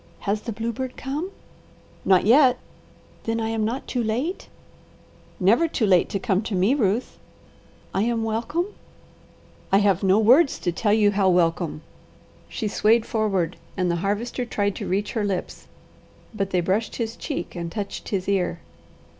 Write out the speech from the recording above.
"Has the bluebird come?" "Not yet!" "Then I am not too late?" "Never too late to come to me, Ruth." "I am welcome?" "I have no words to tell you how welcome." She swayed forward and the Harvester tried to reach her lips, but they brushed his cheek and touched his ear.